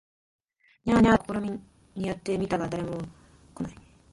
ニャー、ニャーと試みにやって見たが誰も来ない